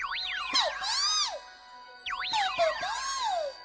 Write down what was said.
ピピピー！